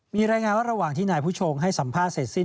มีรายงานว่าระหว่างที่นายผู้ชงให้สัมภาษณ์เสร็จสิ้น